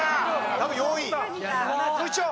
多分４位。